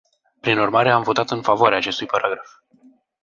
Prin urmare, am votat în favoarea acestui paragraf.